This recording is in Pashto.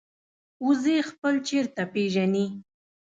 وزې خپل چرته پېژني